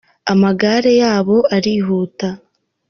Amagare yabo arihuta.